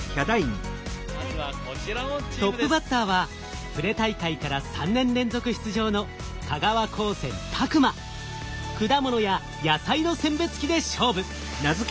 トップバッターはプレ大会から３年連続出場の果物や野菜の選別機で勝負。